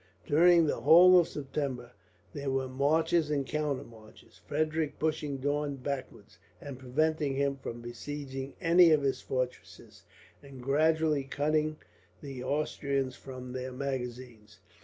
During the whole of September there were marches and counter marches, Frederick pushing Daun backwards, and preventing him from besieging any of his fortresses, and gradually cutting the Austrians from their magazines.